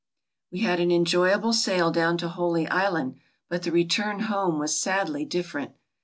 We had an enjoyable sail down to Holy Island but the return home was sadly differ ent.